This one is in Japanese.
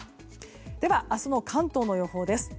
では、明日の関東の予報です。